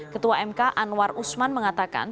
ketua mk anwar usman mengatakan